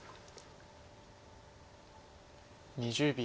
２０秒。